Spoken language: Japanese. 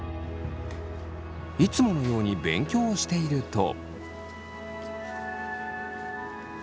いつものように勉強をしていると。